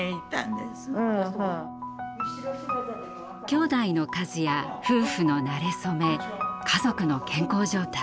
きょうだいの数や夫婦のなれ初め家族の健康状態。